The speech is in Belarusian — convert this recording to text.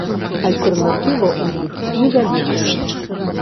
Альтэрнатыва ў іх невялікая.